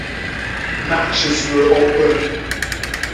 Matches were open.